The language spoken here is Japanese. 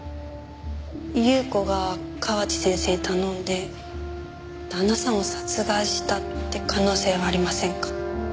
優子が河内先生に頼んで旦那さんを殺害したって可能性はありませんか？